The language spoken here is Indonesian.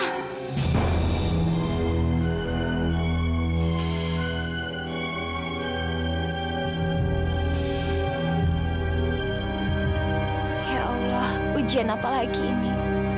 ya allah ujian apa lagi ini